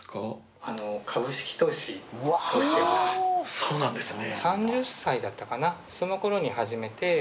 そうなんですね。